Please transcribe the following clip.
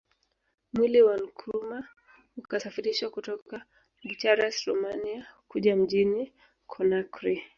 Mwili wa Nkrumah ukasafirishwa kutoka Bucharest Romania Kuja mjini Conakry